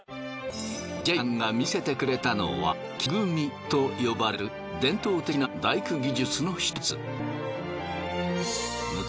ジェイさんが見せてくれたのは木組と呼ばれる伝統的な大工技術のひとつ。